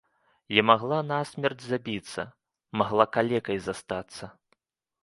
Я магла насмерць забіцца, магла калекай застацца.